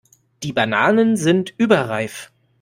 Die Bananen sind überreif.